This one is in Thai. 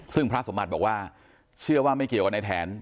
ซึ่งพระสมบัติบอกว่าเชื่อว่าไม่เกี่ยวกับในแถน